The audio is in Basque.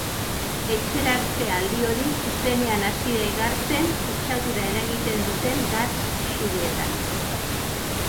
Etxeratze aldi hori zuzenean hasi da igartzen kutsadura eragiten duten gas isurietan.